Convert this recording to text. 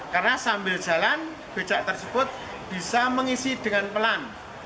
karena sambil jalan becak tersebut bisa mengisi dengan pelan